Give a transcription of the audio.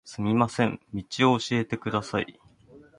すみません、道を教えてください